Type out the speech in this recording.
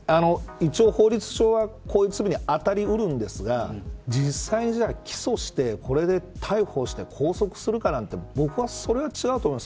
一応、法律上はこういう罪に当たり得るんですが実際に起訴してこれで逮捕して拘束するかって言ったら僕はそれは違うと思います。